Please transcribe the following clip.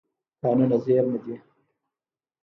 کانونه زېرمه دي.